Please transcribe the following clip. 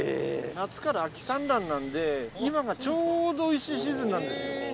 夏から秋産卵なんで今がちょうどおいしいシーズンなんです。